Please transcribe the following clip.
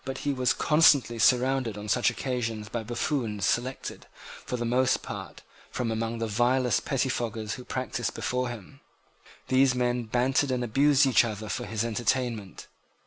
He was constantly surrounded on such occasions by buffoons selected, for the most part, from among the vilest pettifoggers who practiced before him. These men bantered and abused each other for his entertainment.